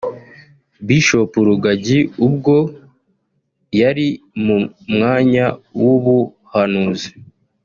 Bishop Rugagi ubwo yari mu mwanya w’ubuhanuzi